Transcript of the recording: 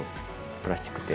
プラスチックって。